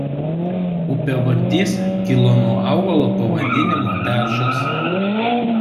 Upėvardis kilo nuo augalo pavadinimo "beržas".